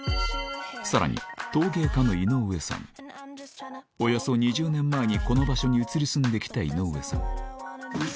さらにおよそ２０年前にこの場所に移り住んできた井上さん